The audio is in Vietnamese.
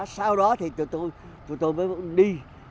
sau đó thì tụi tôi mới đi